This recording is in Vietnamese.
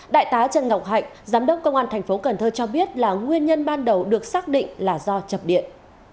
đại tá trần ngọc hạnh giám đốc công an thành phố cần thơ cho biết là nguyên nhân ban đầu được xác định là do chập điện